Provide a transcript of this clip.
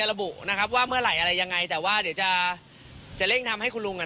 ระบุนะครับว่าเมื่อไหร่อะไรยังไงแต่ว่าเดี๋ยวจะจะเร่งทำให้คุณลุงอ่ะ